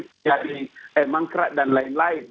terjadi mangkrak dan lain lain